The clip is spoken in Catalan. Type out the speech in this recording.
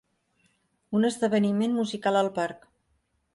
Un esdeveniment musical al parc.